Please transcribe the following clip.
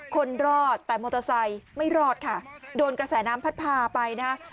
คนรอดแต่มอเตอร์ไซค์ไม่รอดค่ะโดนกระแสน้ำพัดพาไปนะฮะ